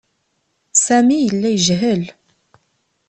Sami yella yejhel.